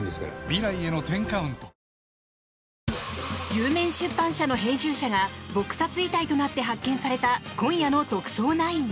有名出版社の編集者が撲殺遺体となって発見された今夜の「特捜９」。